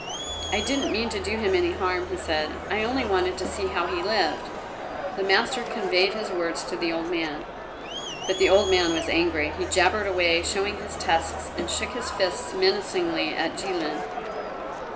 "I didn't mean to do him any harm," he said. "I only wanted to see how he lived." The master conveyed his words to the old man. But the old man was angry. He jabbered away, showing his tusks, and shook his fists menacingly at Jilin.